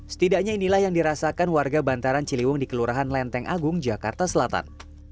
setidaknya inilah yang dirasakan warga bantaran ciliwung di kelurahan lenteng agung jakarta selatan